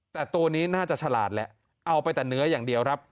แต่ตัวนี้น่าจะฉลาดแล้วเอาไปแต่เนื้ออย่างเดียวครับ